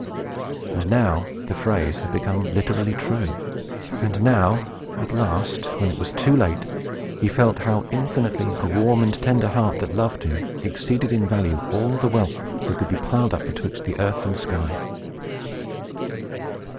And now the phrase had become literally true. And now, at last, when it was too late, he felt how infinitely a warm and tender heart, that loved him, exceeded in value all the wealth that could be piled up betwixt the earth and sky!